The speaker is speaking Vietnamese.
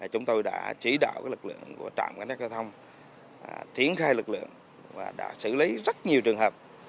chúng tôi đã chỉ đạo lực lượng của trạm cân tải trọng thiển khai lực lượng và đã xử lý rất nhiều trường hợp